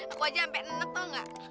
aku aja sampe nenek tau gak